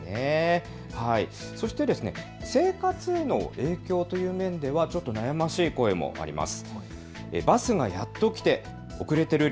そして生活への影響という面ではちょっと悩ましい声もあります。